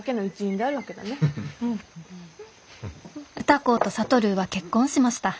「歌子と智は結婚しました。